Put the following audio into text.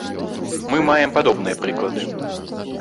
Мы маем падобныя прыклады.